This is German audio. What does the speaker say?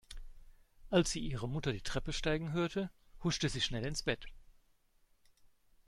Als sie ihre Mutter die Treppe steigen hörte, huschte sie schnell ins Bett.